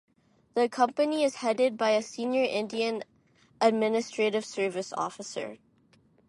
The company is headed by a senior Indian Administrative Service officer.